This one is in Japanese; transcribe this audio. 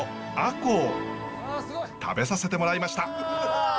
食べさせてもらいました。